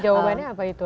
jawabannya apa itu